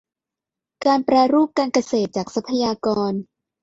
การแปรรูปการเกษตรจากทรัพยากร